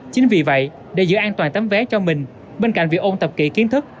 chính vì vậy để giữ an toàn tấm vé cho mình bên cạnh việc ôn tập kỹ kiến thức